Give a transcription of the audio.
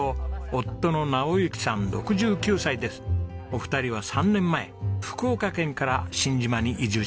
お二人は３年前福岡県から新島に移住しました。